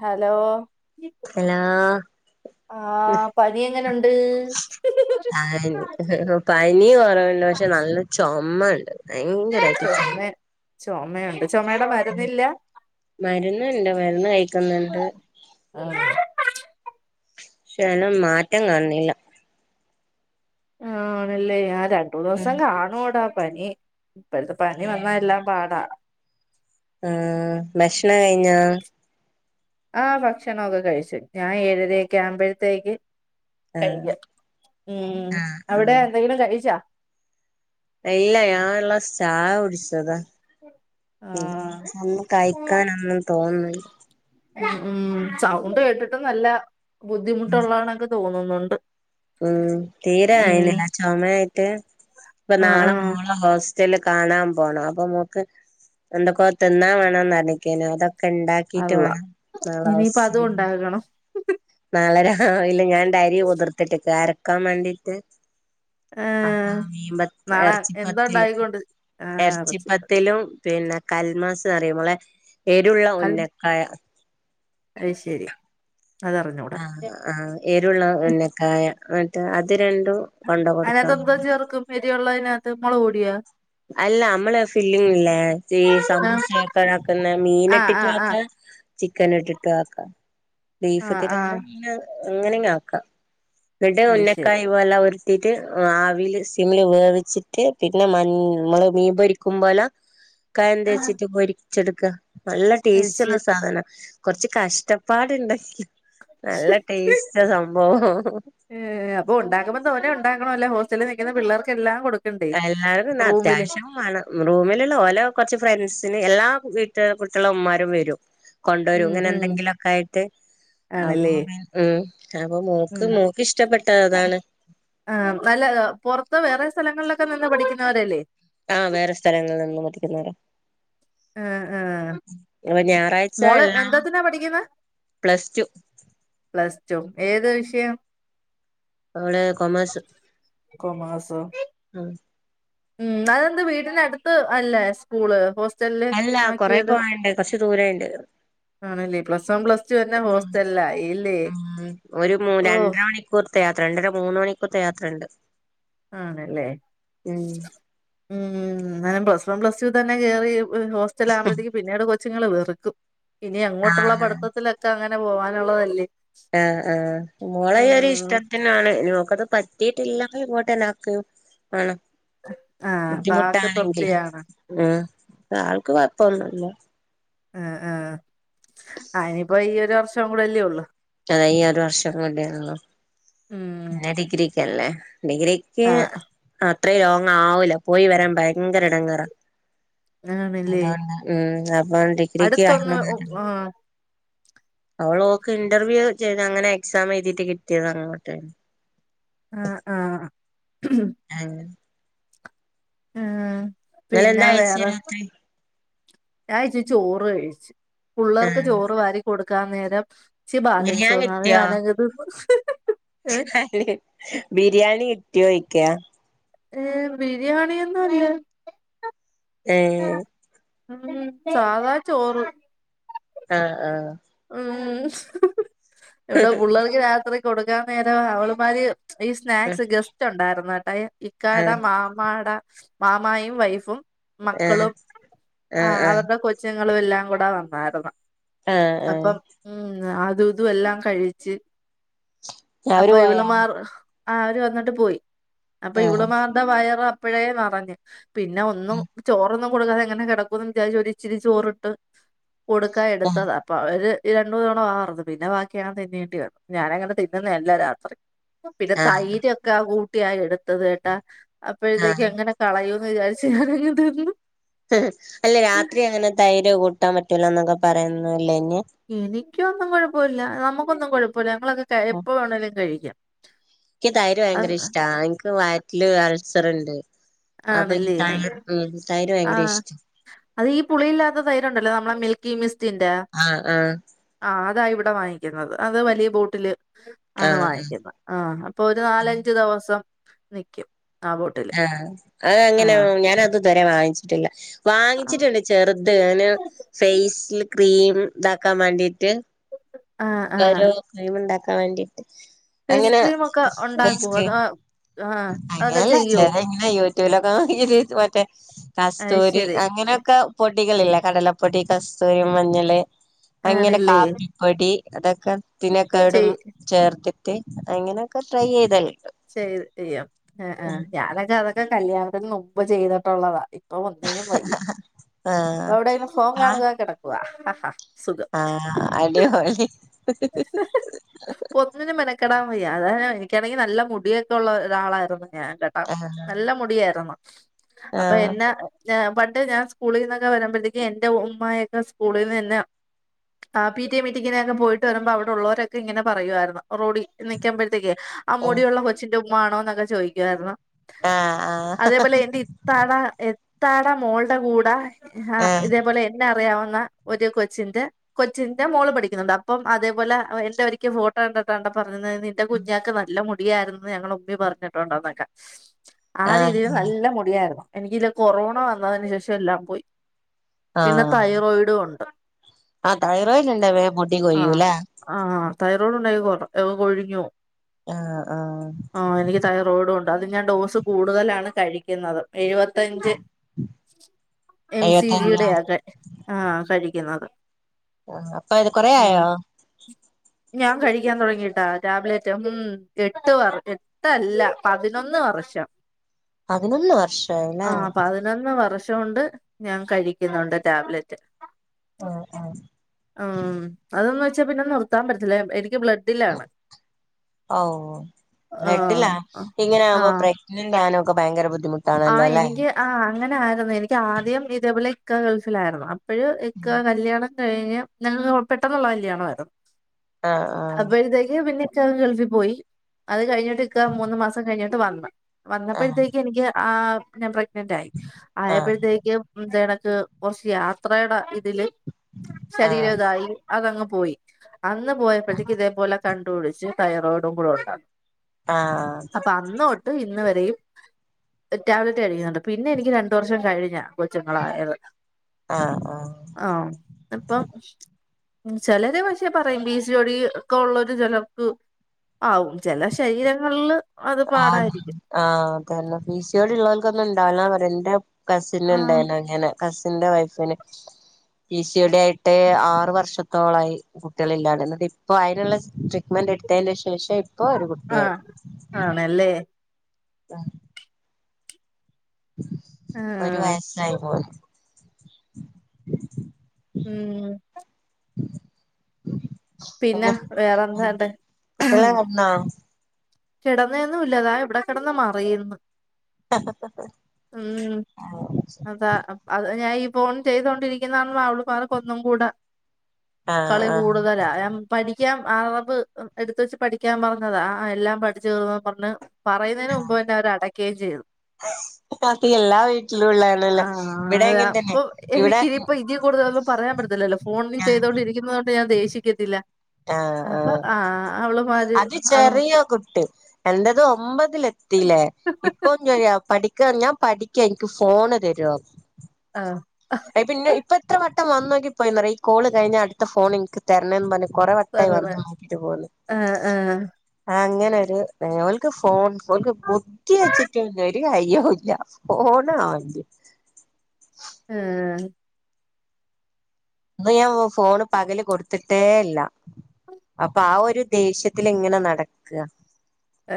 Hello? Hello? ആ പനി എങ്ങനെണ്ട്? [unintelligible] പനി കൊറവണ്ട് പക്ഷെ നല്ല ചോമണ്ട്. ഭയങ്കരായിട്ട് ചൊമ. ചൊമയുണ്ട്. ചോമയുടെ മരുന്നില്ല? മരുന്നുണ്ട് മരുന്ന് കഴിക്കുന്നുണ്ട്. ക്ഷേണം മാറ്റം കാണില്ല. ആ ആണല്ലേ അ രണ്ടൂന്ന്സോം കാണൂടാ പനി. ഇപ്പഴത്തെ പനി വന്നാ എല്ലാം പാടാ. ആ ഭക്ഷണം കഴിഞ്ഞാ. ആ ഭക്ഷണൊക്കെ കഴിച്ചു. ഞാൻ ഏഴരക്കെ ആവുമ്പോഴത്തേക്ക് ആഹ് കഴിക്കാം മ്മ് ആഹ് അവിടെ ആഹ് എന്തെങ്കിലും കഴിച്ചാ? ഇല്ല ഞാൻ ഒരുള്ളാസ് ചായോടിച്ചതാ. [unintelligible] ആഹ് ഒന്നും കഴിക്കാനൊന്നും തോന്നുന്ന് ഉം ഉം സൗണ്ട് കേട്ട്ട്ടും നല്ല ബുദ്ധിമുട്ടുള്ളണൊക്കെ തോന്നുന്നുണ്ട്. ഉം തീരെ ഉം അയിനീല്ല ചോമായിട്ട് ഇപ്പൊ ആഹ് നാളെ ആഹ് മോളെ ഹോസ് ഹോസ്റ്റല് കാണാൻ പോണം അപ്പൊ മോക്ക് എന്തൊക്കെ തിന്നാൻ വേണംന്ന്ന്നർനിക്കിന്നു അതൊക്കെ ഒക്കെ ഇണ്ടാക്കിട്ട് അള്ളാ വാണം നാളെ ഇനിയിപ്പ അതും ഹോസ്റ്റല് ഉണ്ടാകണം നാളെ രാവിലെ ഞാൻ ണ്ട രി കുതിർത്തിട്ട്ക്കാ അരക്കാൻ മണ്ടിട്ട്. അ ആഹ് മീൻ പത്ത നാളെ എറച്ചിപ്പത്തില് എന്താണ്ടായിക്കൊണ്ട് ആ എ ഇറച്ചിക്കറി ർച്ചിപ്പത്തിലും പിന്നെ കൽമാസും മ്മളെ ഏരുള്ള ഉന്നക്കായ. അത് ശരി അതറിഞ്ഞൂടാ ആ ആ ഏരുള്ള ഉന്നക്കായ ന്നട്ട് അത് രണ്ടും കൊണ്ട് അതിനകത്ത് കൊടുക്കണം എന്തോ ചേർക്കും എരിവുളിനകത്ത് മുളക് പൊടിയാ? അല്ല നമ്മള് ഫില്ലിങ് ഇല്ലേ ഈ ആ സമൂസയൊക്കെ ആക്കുന്ന മീൻ ആ ആ ഇട്ടിട്ടും ആ ആക്കാ. ചിക്കൻ ഇട്ടിട്ട് ആക്കാം ആ ബീവിട്ടിട്ട് ആ വേണേ അങ്ങനിം ആക്കാം. ന്ന്ട്ട് അത് ശരി ഉന്നക്കായി പോലെ ഉരുട്ടീട്ട് ആവില് സിമ്മില് വേവിച്ചിട്ട് പിന്നെ മൻ മ്മള് മീൻ പൊരിക്കും പോലാ കായം ആ തെച്ചിട്ട് പൊരിച്ചെടുക്ക. നല്ല അത് ടേസ്റ്റ് ഉള്ള ശരി സാധന കൊറച്ച് കഷ്ടപ്പാടുണ്ട്. നല്ല ടേസ്റ്റ സംഭവം. ഏ അപ്പൊ ഉണ്ടാക്കുമ്പോ തോനെ ഉണ്ടാക്കണ്ല്ലോ ഹോസ്റ്റലിൽ നിൽക്കുന്ന പിള്ളേർക്കെല്ലാം കൊട്ക്ക എല്ലാരുല്യ അത്യാവശ്യം വാണം മ് റൂമില് ഓലോ കൊറച്ച് ഫ്രണ്ട്സിന് എല്ലാ വീട്ടിലെ കുട്ട്യാള ഉമ്മരും വരും. കൊണ്ടോരും ഉം ഇങ്ങനെ ഉം എന്തെങ്കിലും ഒ ക്കെ ആയിട്ട് അപ്പൊ ആണല്ലേ പിന്നെ ഉം ആ നല്ല പൊറത്ത് വേറെ സ്ഥലങ്ങളിലൊക്ക ഒക്കെ നിന്ന് പഠിക്കുന്നവരല്ലേ? ആ വേറെ സ്ഥലങ്ങളിൽ നിന്നും പഠിക്കുന്നവര. ആ ആ അപ്പൊ ഞായറാഴ്ച മോള് എല്ലാ എന്തത്തിനാ പഠിക്കുന്നെ പ്ലസ് ടു. പ്ലസ് ടു ഏത് വിഷയം? അവള് കൊമേഴ്സ് കൊമയ്സ്. ഉം. ഉം അതെന്ത് വീടിന് അടുത്ത് അല്ലേ സ്കൂള് ഹോസ്റ്റല് അല്ല കൊറേ പോവണ്ട് കൊറച്ചു ദൂരണ്ട്. ആണല്ലേ പ്ലസ് വൺ പ്ലസ് ടു തന്നെ ഹോസ്റ്റലിലായില്ലേ ഹ്മ്മ് ഒരു മൂ ഓ രണ്ടര മണിക്കൂർത്തെയാത്ര - രണ്ടര മൂന്ന് മണിക്കൂർത്തെ യാത്രണ്ട്. ആണല്ലേ ഉം ഉം ന്നാ പ്ലസ് വൺ പ്ലസ് ടു തന്നെ കേറി ഹോസ്റ്റൽ ആകുമ്പോഴേക്ക് പിന്നീട് കൊച്ചിങ്ങൾ വെറുക്കും ഇനി അങ്ങോട്ടുള്ള ആഹ് പഠിത്തത്തിലൊക്കങ്ങനെ അങ്ങനെ പോകാനുള്ളതല്ലേ? ആ ആ മോളെ ഒരു ഇഷ്ടത്തിനാണ് ഇനിയത് പറ്റിയിട്ടില്ലങ്കി ഇങ്ങോട്ടാന്നെത് ആഹ് അപ്പൊ ആക്ക് ബുദ്ധിമുട്ടാണെങ്കിൽ തൃപ്തിയാണ് ആ ആൾക്ക് കൊഴപ്പൊന്നുല്ല. ആ ആ എയ്നിപ്പോ ഈ ഒരു വർഷം കൂടെല്ലേ ഉള്ളൂ. ആ ഈ ഒരു വർഷം കൂടിയുള്ളൂ. ഉം പിന്നെ ഡിഗ്രക്ക്ല്ലേ. ഡിഗ്രിക്ക് ആഹ് അത്രയും ലോങ് ആവൂല പോയി വരാൻ ഭയങ്കര ഇടംങ്ങറ. ആണല്ലേ അതാ ആ ഹ്മ്മ് അപ്പൊ ഡിഗ്രിക്ക് അടുത്തൊന്നും അയ്നുള്ള ആഹ് അവൾ ഓക്ക് ഇന്റർവ്യൂ ചെയ്ത് അങ്ങനെ എക്സാം എഴുതിട്ട് കിട്ടിയതാണ് അങ്ങോട്ട്. ആ ആ. അങ്ങനെ ഉം പിന്നെ ഇങ്ങളെന്താ കഴിച്ചേ വേറെ, രാത്രി ഞാത്തിരി ചോറ് കഴിച്ചു പിള്ളേർക്ക് ആഹ് ചോറ് വാരി കൊടുക്കാൻ നേരം, ഇത്തിരി ബാലൻസ് വന്നു അത് ഞാൻ കയ്ച്ചു അ ബിരിയാണി കിട്ടിയോയിക്ക? ഏ ബിരിയാണി ഒന്നുല്ല ഏ ഉം സാദാ ചോറ്. ആഹ് ആഹ ഉം എവിടെ പിള്ളർക്ക് രാത്രി കൊടുക്കാൻ നേരം അവള്മാര്, ഈ സ്നാക്സ് ഗെസ്റ്റുണ്ടായിരുന്നു ട്ടൊ ഇക്കാട ആഹ് മാമാഡ. മാമായും വൈഫും ആഹ് ആഹ് മക്കളും ആ ആഹ് അവരുടെ കൊച്ചും. ങ്ങളും എല്ലാം കൂടെ വന്നായിരുന്ന്. ആഹ് ആഹ് ആഹ് അപ്പം ഉം അതുതും എല്ലാം കഴിച്ച്. അവര് അപ്പൊ ഇവള് പോയാ മാർ ആ അവര് വന്നിട്ട് പോയി. അപ്പൊ ഇവള് ആഹ് മാർടെ വയർ അപ്പഴേ പറഞ്ഞു പിന്നെ ഒന്നും ചോറൊന്നും. കൊടുക്കാതെ എങ്ങനെ കിടക്കുന്ന് വിച്ചാരിച്ചൊരിത്തിരി ചോറിട്ട് കൊടുക്കാ ആഹ് ഇടത്തതാ. ഒരു രണ്ടമൂന്ന് തവണ വാ തുറന്ന് പിന്നെ ബാക്കിഞാതിന്നേണ്ടി വന്ന്. ഞാനങ്ങന തിന്നുന്നല്ല രാത്രി. പിന്നെ ആഹ് തൈരൊക്കെ കൂട്ടിയായി എടുത്തത് കേട്ടാ അപ്പഴതേക്ക് ആഹ് എങ്ങനെ കളഞ്ഞു വിജർച്ചു [unintelligible] ഉം അല്ല രാത്രി അങ്ങനെ തൈര് കൂട്ടാൻ പറ്റൂല എന്നൊക്കെ പറയുന്ന എനിക്കൊന്നും കുഴപ്പമില്ല നമ്മുക്കൊന്നും കുഴപ്പമില്ല ഞങ്ങളൊക്കെ എപ്പോ വേണേലും കഴിക്കും. എനിക്ക് തൈര് ഭയങ്കര ഇഷ്ടാ എനിക്ക് വയറ്റില് അൾസർണ്ട്. അപ്പൊക്ക് ആണല്ലേ തൈര് ഉം തൈര് ഭയങ്കര ആഹ് ഇഷ്ട. അത് ഈ പുളിയില്ലാത്ത തൈരുണ്ടല്ലോ നമ്മളെ മിൽക്കി മിസ്റ്റിന്റെ ആഹ് ആഹ് അ അതാ ഇവിടെ വാങ്ങിക്കുന്നത് അത് വലിയ ബോട്ടില് ആണ് ആഹ് വാങ്ങിക്കുന്നത് ആ അപ്പൊ ഒരു നാലഞ്ചു ദിവസം നിക്കും. ആ ബോട്ടില്. അത് ആ അങ്ങനെ ഞാൻ അതിഥുവരെ വാങ്ങിച്ചിട്ടില്ല. ആ വാങ്ങിച്ചിട്ടുണ്ട് ചെറുത് അയിന് ഫേസ്ൽ ക്രീം ഇ ണ്ടാക്കാൻ വേണ്ടിട്ട്. ആ ആ [unintelligible] മുണ്ടാക്കാൻ വേണ്ടി ഫേസ് അങ്ങനെ ക്രീം ഒക്കെ ഉണ്ടാക്കുവോ ഫേസ്ക്രീ അതോ ആ അതൊക്കെ അങ്ങനെയല്ല ചെയ്യോ [unintelligible] [unintelligible] മറ്റേ അത് കസ്തൂരി ശരി അങ്ങനെയൊക്കെ പൊടികളില്ലേ കടലപ്പൊടി കസ്തൂരി മഞ്ഞള് അങ്ങനെ ആണല്ലേ കാപ്പിപ്പൊടി അതൊക്കെ കത്തിനക്കെടും ചെയ് ചേർത്തിട്ട് അങ്ങനെയൊക്കെ ട്രൈ ചെയ്താല് ചെയ്ത് ചെയ്യാം ഞാനൊക്കെ അതൊക്കെ കല്യാണത്തിന് മുമ്പ് ചെയ്തിട്ടുള്ളതാ അപ്പൊ ഒന്നിനും വയ്യ ഇപ്പൊ ആഹ് എവിടെങ്കിലും ഫോൺ ആഹ് കാണുക കിടക്കുക ഹഹ. സുഖം ആഹ് അടിപൊളി ഇപ്പൊന്നിനും മെനക്കെടാൻ വയ്യ അതാണ്. എനിക്കാണെങ്കി നല്ല മുടിയൊക്കെ ഉള്ള ഒരാളായിരുന്നു ഞാൻ കേട്ടാ ആഹ് നല്ല മുടിയാരുന്നു. അപ്പൊ ആഹ് എന്നാ ന്ന പണ്ട് ഞാൻ സ്കൂളീന്ന്. ഒക്കെ വരുമ്പഴത്തേക്ക് എന്റെ ഉമ്മായൊക്കെ സ്കൂളീന്ന് എന്നെ. ആഹ് പി ടി എ മീറ്റിങ്ങിനൊക്കെ പോയിട്ട് വരുമ്പോ അവിടെ ഉള്ളവരൊക്കെ ങ്ങനെ പറയുമായിരുന്നു. റോഡി നിക്കുമ്പോഴത്തേക്കേ ആഹ് മുടിയുള്ള കൊച്ചിന്റെ ഉമ്മ ആണോ ന്നൊക്കെ ചോദിക്കുവാരുന്നു. ആഹ് അതേപോലെ എന്റെ ഇത്താണ ത്താടെ മോൾടെ കൂടെ ആഹ് ഏഹ് ഇതേപോലെ എന്നെ അറിയാവ ന്ന ഒരു കൊച്ചിന്റെ കൊച്ചിന്റെ മോള് പഠിക്കുന്നുണ്ട് അപ്പം അതേപോലെ എന്റെ ഒരിക്ക ഫോട്ടോ കണ്ടട്ട് ണ്ടപ്പം. അന്നാരം നിന്റെ കുഞ്ഞാക്ക് നല്ല മുടിയായിരുന്ന് ഞങ്ങൾ ഉമ്മി പറഞ്ഞിട്ടുണ്ടെന്നൊക്കെ. ആഹ് രീതിൽ നല്ല മുടിയായിരുന്നു. എനിക്ക്ല്ലേ കൊറോണ വന്നതിന് ശേഷം എല്ലാം പോയി. പിന്നെ ആഹ് തൈറോയിഡുണ്ട്. ആഹ് തൈറോയ്ഡ് ണ്ടേ വേം മുടി കൊഴിയു ആഹ് ല്ലേ? ആഹ് തൈറോയ്ഡ് ഉണ്ടെങ്കി കൊറേ ഏ കൊഴിഞ്ഞു ആഹ് ആഹ് ആഹ് എനിക്ക് തൈറോയ്ഡും ഉ അത് ഞാൻ ഡോസ് കൂടുതലാണ് കഴിക്കുന്നുന്നത് എഴുപത്തഞ്ച്. എം സി എഴുപത്തഞ്ചോ ജിയുടെയാ തെ ആഹ് കഴിക്കുന്നത്. അപ്പൊ ഇത് ഉം കൊറേയായോ? ഞാൻ കഴിക്കാൻ തുടങ്ങീട്ടോ ടാബ്ലറ്റ് ഉം എട്ട് വർ എട്ടല്ല പതിനൊന്ന്. ഹ വർഷം പതിനൊന്ന് വർഷായില്ലേ ആഹ് പതിനൊന്ന് വർഷ് ഷോണ്ട് ഞാൻ കഴിക്കുന്നുണ്ട് ടാബ്ലറ്റ്. ആഹ് ആഹ് ആഹ് അതെന്ന് വെച്ചാ പിന്നെ നിർത്താൻ പറ്റത്തില്ലേ എനി എനിക്ക് ബ്ലഡിലാണ്. ഓ ആ എട്ടില്ല ആ ഇങ്ങനാവുമ്പോ പ്രെഗ്നന്റ് വാനൊക്കെ ഭയങ്കര ബുദ്ധി ബുദ്ധിമുട്ടാണല്ലോ ല്ലേ? അങ്ങനായിരുന്നു എനിക്ക് ആദ്യം ഇതേപോലെ ഇക്ക ഗൾഫിലായിരുന്നു. അപ്പഴ് ഇക്ക കല്യാണം കഴിഞ്ഞ് പിന്ന. തൊ പെട്ടെന്നുള്ള കല്യാണാ യിരുന്നു. ആഹ് ആഹ് അപ്പോഴത്തേക്ക് പിന്നെ. ഇക്ക ഗൾഫിൽ പോയി. അത് കഴിഞ്ഞിട്ട് ഇക്ക മൂന്ന് മാസം കഴിഞ്ഞിട്ട് വന്ന് ആഹ് വന്നപ്പോഴത്തേക്ക് എനിക്ക്. ആഹ് ഞാപ്രഗ്നന്റ് ആയി. ആഹ് ആയപ്പോഴത്തേക്ക് ഇത് കണക്ക് കുറച്ച് യാത്രയുടെ. തില് ആഹ് ശരീരതായി അതങ്ങ് പോയി. അന്ന് പോയപ്പോഴത്തേക്ക് ഇതേപോലെ. കണ്ടുപിടിച്ച് തൈറോയിഡും കൂടെ ഉണ്ടെന്ന്. ആഹ്. അത് ഇന്ന് വരെയും. ടാബ്ലറ്റ് കഴിക്കുന്നുണ്ട്. പിന്നെ എനിക്ക് രണ്ടു വർഷം കഴിഞ്ഞാ കൊച്ചുങ്ങളായത്. ആഹ് ആഹ് ആഹ് അപ്പം. ചെലര് പക്ഷേ പറയും പി സി ഓഡി ഒക്കെ ഒള്ളോരു ചിലർക്ക്. ആവും ചില ശരീരങ്ങൾല്. ആഹ് ആഹ് അതന്നെ. പി സി യോഡി ഉള്ളോൽക്കൊക്കെ ന്നുണ്ടാവില്ലന്നറിം ന്റെ. കസിന് ആഹ് ണ്ടായിനങ്ങനെ കസിന്റെ വൈഫിന്. പി സി യോഡി ആയിട്ട് ആറ് വർഷത്തോളായി കുട്ട്യളില്ലാണ്ട് ന്നട്ടി പ്പൊ അയ്ന്ള്ള ട്രീറ്റ്മെന്റ്. എട്ത്തെൻ്റെ ശേഷം ഇപ്പൊ ഒരു കുട്ടിയായി. ആഹ് ആണല്ലേ അ. ഒരു ആഹ് വയസ്സായി മോള്. ഉം. പിന്നെ കുട്ടികളെല്ലാം വേറെന്താണ്ട് കിടന്നോ കിടന്നെയൊന്നും ഇല്ല ദാ ഇവിടെ കിടന്ന് മറിയുന്ന് ഉം അതാ അത് ഞാന് ഫോൺ ചെയ്തോണ്ടിരിക്കുന്ന കാണുമ്പം അവള്മാർക്ക് ഒന്നും കൂടെ. ആഹ് കളി ആഹ് കൂടുതലാ ഞാൻ പഠി. പഠിക്കാം അറബ് എടുത്ത് വെച്ച് പഠിക്കാൻ പറഞ്ഞതാ ആഹ് എല്ലാം പഠിച്ചു തീർന്നന്ന് പറഞ്ഞ്. പറയുന്നതിന് മുമ്പ് തന്നെ അവര് അടക്കുകയും ചെയ്ത്. അപ്പം എല്ലാ വീട്ടിലും ഉള്ളെയാണല്ലേ ഇവിടെ ആഹ് അങ്ങൻ തന്നെ ഇവിടെ. കൂടുന്നും പറയാൻ പറ്റത്തില്ലല്ലോ ഫോൺ ആഹ് ചെയ്തുകൊണ്ടിരിക്കുന്ന കൊണ്ട് ഞാൻ ദേഷ്യക്കത്തില്ല. ആ ആ അത് ചെറിയ കുട്ടി. എന്റെത് ഒമ്പതിൽ എത്തിയില്ലേ ഇപ്പൊ പഠി ഞാൻ പഠിക്ക എനിക്ക് ഫോൺ ആ പിന്നെ ഇപ്പ എത്ര ഇം വന്നോി പോയിന്ന പററ ഈ കോള് കഴിഞ്ഞ അടുത്ത ഫോൺ എനിക്ക് തരണതന്ന് പറഞ്ഞ. കൊറേ വട്ടായി തരണേ വന്ന് നോക്കിട്ട് പോണൂന്ന്. ആ ആ ഓലിക്ക് ഫോൺക ബുദ്ധി വെച്ചിട്ട് ഒരു കാര്യോല്ല ഫോൺ. അതെ ഉം അത് ഞാൻ ഫോൺ പകല് കൊടുത്തിട്ടേ ഇല്ല്യ അപ്പൊ ആ ഒരു ദേഷ്യത്തി ഇങ്ങനെ നടക.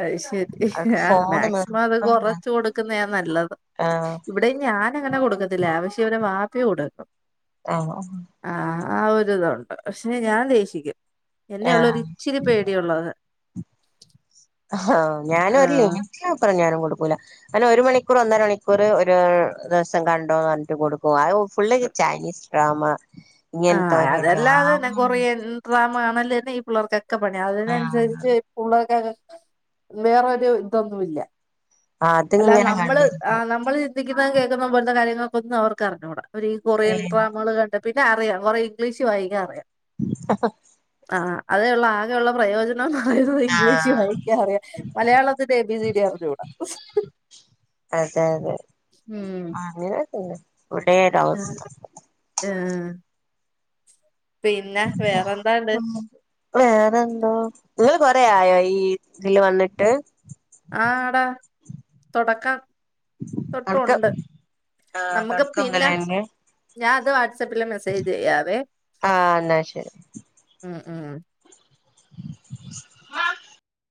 അ ശരി ആ മാക്സിമം അത് നിർബന്ധാ കൊറച്ച് കൊടുക്കുന്നാ നല്ലത് ആഹ് ഇവിടെ. ഞാനങ്ങനെ കൊടുക്കത്തില്ലേ പക്ഷേ ഇവര് വാപ്പി കൊടുക്കും. ആഹ ആ ആ ഒരുരിതുൊണ്ട് പക്ഷേ ഞാൻ ദേഷിക്കും എന്നെയള്ള ഒരു ആഹ് ഇച്ചിരി പേടിയള്ളത്. ആഹ ഞാനും ആ ഒരു ലിമിറ്റപ്പറ ഞാനും കൊടു. ഒരു മണിക്കൂർ ഒന്നര മണിക്കൂർ ഒരു ദിവസം കണ്ടോ പറഞ്ഞിട്ട് കൊടുക്കും. ഫുള്ള് ചൈനീസ് ഡ്രമ ആ അതല്ലാതൊ കൊറ ഡ്രാമ കാണല് തന്നെ ഈ പിള്ളേർക്കൊക്കെ പണി ആഹ് അതിനനുസരിച്ച്. വേറൊരു ഇതൊന്നുമല്ല അല്ല അതിങ്ങനെ നമ്മള് കണ്ടിരിക്കും നമ്മള് ഇരിക്കു കേൾക്കുന്ന പോല കാര്യൊക്ക ഒും അവർക്ക് അറിഞ്ഞൂട ഈ കൊറിയൻ ഏഹ് ഡ്രാമകൾ കണ്ട അറിയാം കുറെ ഇംഗ്ലീഷ് വായികാ അറിയാം ആ ആ അതെ ആകെയുള്ള പ്രയോജനം ഇംഗ്ലീഷ ആഹ് വായിക്കാറിയ മലയാളത്തിന്റെ എബി സി ഡി അറിഞ്ഞൂട അതെ അതെ അങ്ങനെ ഇവിടെ ഒരു അവസ്ഥ ആഹ വേറെന്തോ കൊറ ആയോ ഈ ഇതിൽ വന്നിട്ട് ആ ആട തുടക്കം തൊട്ടുണ്ട് ആഹ നമുക്ക് പിന്നെ തൊടക്കമുതലെന്നെ ഞാൻ അത് വാട്സ്ആപ്പ് മെസ്സേജ് ചെയ്യാവേ ആഹ് എന്നാ ശരി ഉ ഉ